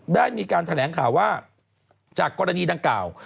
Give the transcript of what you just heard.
ได้มีการแถลงข่าวว่าจากกรณีดังกล่าว